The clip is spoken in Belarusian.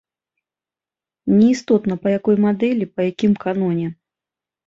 Не істотна, па якой мадэлі, па якім каноне.